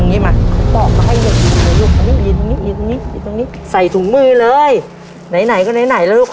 เนี่ยไงก็เนี่ยไงลูก